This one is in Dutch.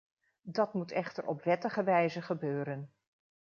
Dat moet echter op wettige wijze gebeuren.